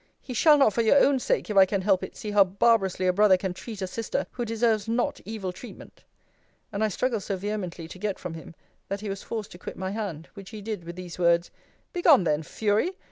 he shall not for your own sake, if I can help it, see how barbarously a brother can treat a sister who deserves not evil treatment. And I struggled so vehemently to get from him, that he was forced to quit my hand; which he did with these words Begone then, Fury!